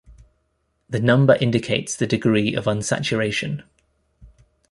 The number indicates the degree of unsaturation.